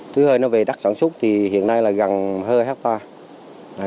thứ hơi nó về đất sản xuất thì hiện nay là gần hơi hectare